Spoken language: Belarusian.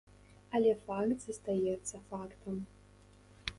Але факт застаецца фактам.